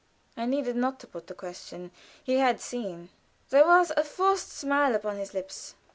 I needed not to put the question. He had seen. There was a forced smile upon his lips.